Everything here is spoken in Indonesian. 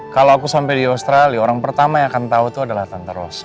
kalo aku sampai di australia orang pertama yang akan tau tuh adalah tante rosa